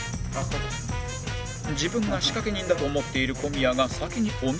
自分が仕掛け人だと思っている小宮が先にお店へ